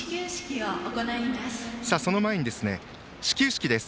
その前に始球式です。